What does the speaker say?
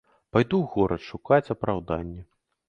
Пайду ў горад шукаць апраўдання.